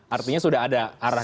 artinya sudah ada arah ke arah sana